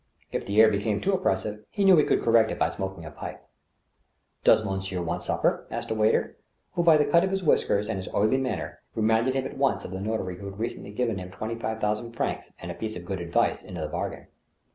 If the air became too oppressive, he knew he could correct it by smoking a pipe. " Does monsieur want supper? " asked a waiter, who, by the cut of his whiskers and his oily manner, reminded him at once of the notary who had recently g^ven him twenty five thousand francs, and a piece of good advice into the bargain.